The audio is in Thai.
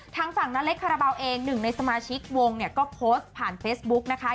ทางฝั่งนาเล็กคาราบาลเองหนึ่งในสมาชิกวงเนี่ยก็โพสต์ผ่านเฟซบุ๊กนะคะ